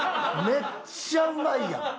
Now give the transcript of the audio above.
めっちゃうまいやん。